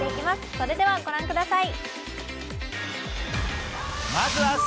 それではご覧ください。